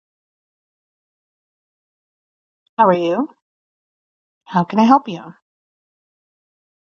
There is a large diaspora in North America, South America, Europe, Australia and Africa.